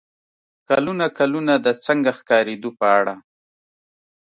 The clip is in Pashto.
کلونه کلونه د "څنګه ښکارېدو" په اړه